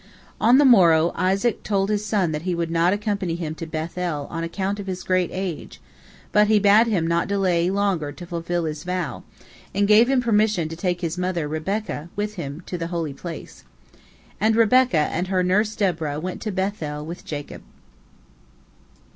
On the morrow, Isaac told his son that he would not accompany him to Beth el on account of his great age, but he bade him not delay longer to fulfil his vow, and gave him permission to take his mother Rebekah with him to the holy place. And Rebekah and her nurse Deborah went to Beth el with Jacob.